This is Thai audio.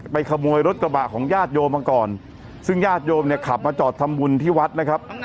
ขโมยรถกระบะของญาติโยมมาก่อนซึ่งญาติโยมเนี่ยขับมาจอดทำบุญที่วัดนะครับ